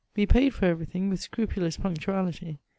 We paid for every thing with scrupulous punctuality.